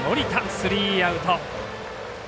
スリーアウト。